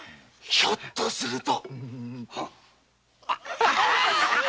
ひょっとすると。